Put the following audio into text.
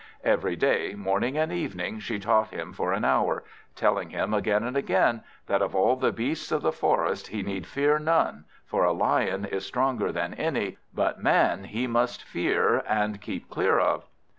Every day, morning and evening, she taught him for an hour; telling him again and again, that of all the beasts of the forest he need fear none, for a lion is stronger than any, but man he must fear and keep clear of.